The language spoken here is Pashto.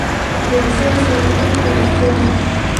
د ډیزاین ساده توب پیاوړتیا ده.